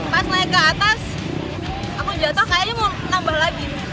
pas naik ke atas aku jatuh kayaknya mau nambah lagi